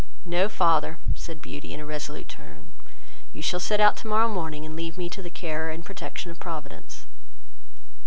"No, father, (said Beauty, in a resolute tone,) you shall set out tomorrow morning, and leave me to the care and protection of Providence."